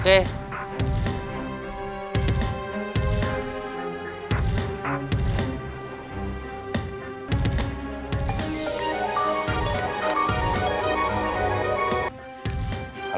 saya yang menang